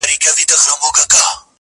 خو نارې سوې چي بم ټوله ورځ ویده وي!.